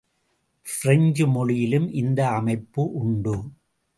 French மொழியிலும் இந்த அமைப்பு உண்டு.